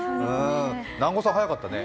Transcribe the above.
南後さん早かったね。